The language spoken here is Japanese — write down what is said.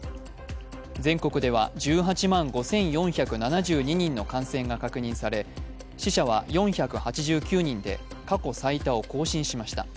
全国では１８万５４７２人の感染が確認され、死者は４８９人で過去最多を更新しました。